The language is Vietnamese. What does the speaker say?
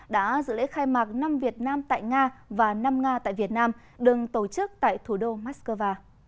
đã dự lễ khai mạc năm việt nam tại nga và năm nga tại việt nam đừng tổ chức tại thủ đô moscow